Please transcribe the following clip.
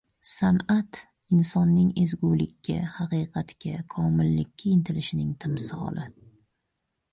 Sanʼat insonning ezgulikka, haqiqatga, komillikka intilishining timsoli